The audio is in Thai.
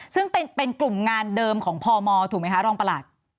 ซึ่งเป็นกลุ่มงานเดิมของพมถูกไหมคะรองประหลัด